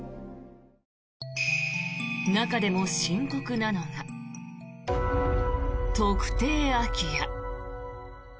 中でも深刻なのが特定空き家。